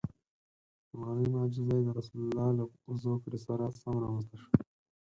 لومړنۍ معجزه یې د رسول الله له زوکړې سره سم رامنځته شوه.